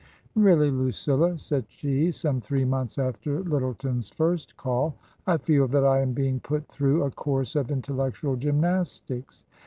" Really, Lucilla," said she, some three months after Lyttleton's first call, " I feel that I am being put through a course of intellectual gymnastics.